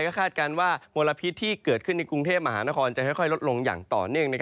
ก็คาดการณ์ว่ามลพิษที่เกิดขึ้นในกรุงเทพมหานครจะค่อยลดลงอย่างต่อเนื่อง